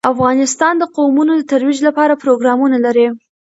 افغانستان د قومونه د ترویج لپاره پروګرامونه لري.